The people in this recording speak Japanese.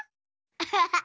アハハ。